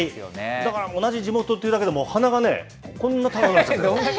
だから同じ地元っていうだけでも、鼻がね、こんなに高くなっちゃって。